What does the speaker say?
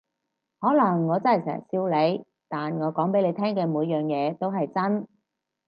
可能我真係成日笑你，但我講畀你聽嘅每樣嘢都係真